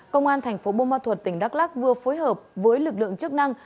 công an thành phố bô ma thuật tỉnh đắk lắc vừa phối hợp với lực lượng chức năng